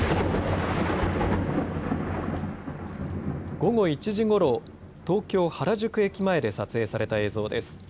午後１時ごろ、東京原宿駅前で撮影された映像です。